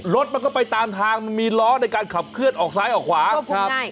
รถมันก็ไปตามทางมันมีล้อในการขับเคลื่อนออกซ้ายออกขวาครับใช่